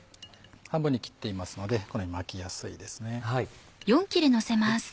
半分に切っていますのでこのように巻きやすいですね。